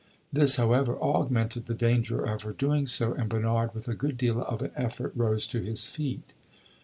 This, however, augmented the danger of her doing so, and Bernard, with a good deal of an effort, rose to his feet.